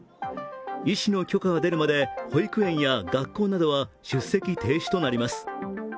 医師の許可が出るまで保育園や学校へは出席停止となります。